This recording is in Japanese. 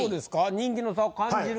人気の差を感じる？